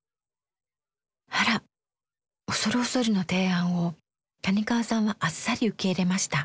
あら恐る恐るの提案を谷川さんはあっさり受け入れました。